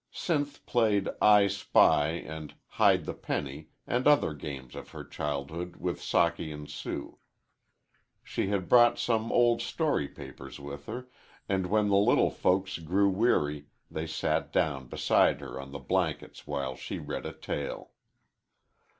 Sinth played "I spy" and "Hide the penny" and other games of her childhood with Socky and Sue. She had brought some old story papers with her, and when the little folks grew weary they sat down beside her on the blankets while she read a tale.